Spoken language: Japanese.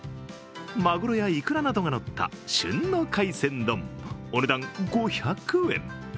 マグロやイクラなどがのった旬の海鮮丼、お値段５００円。